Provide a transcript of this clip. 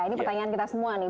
ini pertanyaan kita semua nih